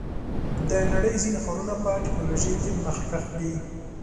د نړۍ ځینې ښارونه په ټیکنالوژۍ کې مخکښ دي.